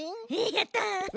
やった！